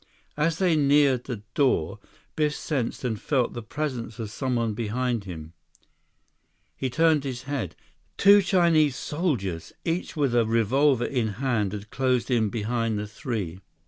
As they neared the door, Biff sensed and felt the presence of someone behind him. He turned his head. Two Chinese soldiers, each with a revolver in hand, had closed in behind the three.